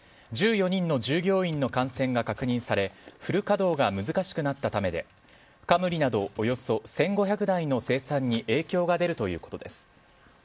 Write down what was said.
１４人の従業員の感染が確認されフル稼働が難しくなったためでカムリなどおよそ１５００台の生産に影響が出るということです。